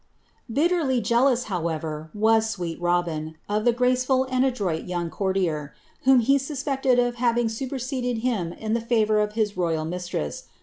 Bitterly jealous, howeTer, was ^ street Robin" of the gnc ■droit young courtier, whom he suspected of having snpermlei the favour of his royal mialress.